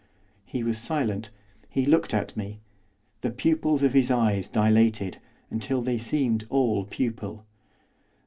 He was silent. He looked at me. The pupils of his eyes dilated, until they seemed all pupil.